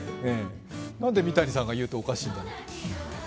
何で三谷さんが言うと、おかしいんだろう。